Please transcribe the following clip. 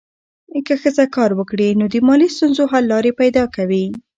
که ښځه کار وکړي، نو د مالي ستونزو حل لارې پیدا کوي.